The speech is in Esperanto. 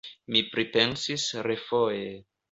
Mi pripensis refoje.